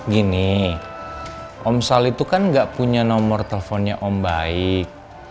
gini om sal itu kan gak punya nomor teleponnya om baik